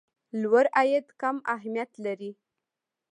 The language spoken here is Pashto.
لوړ عاید کم اهميت لري.